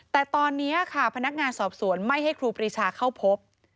แต่ตอนนี้ค่ะพนักงานสอบสวนไม่ให้ครูปรีชาเข้าพบ